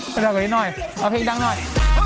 ไปเรากันนิดหน่อยเอาเพลงดังหน่อย